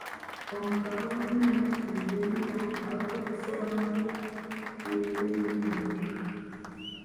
Omugga gwalina amazzi lubeerera agaakozesebwa ne mu kufukirira ebirime.